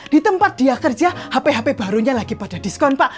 di tempat dia kerja hp hp barunya lagi pada diskon pak